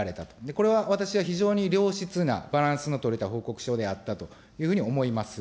これは私は非常に良質な、バランスの取れた報告書であったと思います。